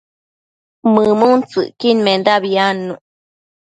mëmuntsëcquidmendabi adnuc